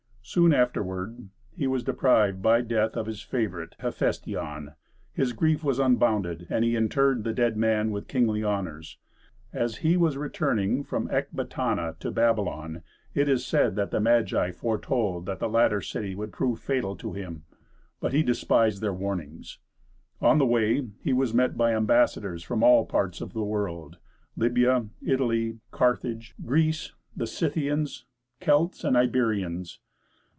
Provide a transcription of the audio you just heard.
Soon afterward he was deprived, by death, of his favorite Hephestion. His grief was unbounded, and he interred the dead man with kingly honors. As he was returning from Ecbatana to Babylon, it is said that the Magi foretold that the latter city would prove fatal to him; but he despised their warnings. On the way, he was met by ambassadors from all parts of the world Libya, Italy, Carthage, Greece, the Scythians, Celts, and Iberians.